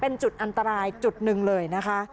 เป็นจุดอันตรายจุดหนึ่งเลยนะคะ